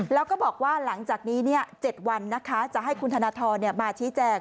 แล้วก็บอกว่าหลังจากนี้๗วันนะคะจะให้คุณธนทรมาชี้แจง